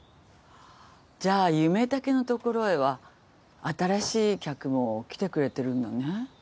じゃあ夢竹の所へは新しい客も来てくれてるんだね。